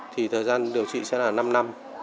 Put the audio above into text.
thì thời gian điều trị sẽ là năm năm